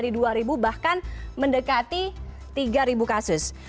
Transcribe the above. angka lebih dari dua ribu bahkan mendekati tiga ribu kasus